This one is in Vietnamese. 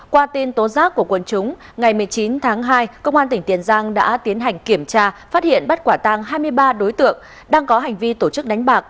qua tin tố giác của quân chúng ngày một mươi chín tháng hai công an tỉnh tiền giang đã tiến hành kiểm tra phát hiện bắt quả tang hai mươi ba đối tượng đang có hành vi tổ chức đánh bạc